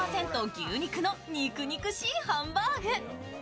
牛肉の肉肉しいハンバーグ。